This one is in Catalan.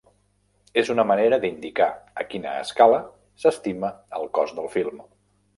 És una manera d'indicar a quina escala s'estima el cost del film.